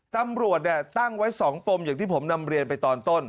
ตำรวจตั้งไว้๒ปมอย่างที่ผมนำเรียนไปตอนต้น